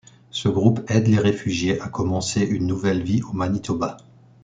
Ce groupe aide les réfugiés à commencer une nouvelle vie au Manitoba.